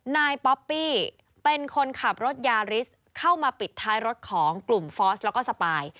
นายป๊อปปี้เป็นคนขับรถยาริสเข้ามาปิดท้ายรถของกลุ่มฟอสแล้วก็สปาย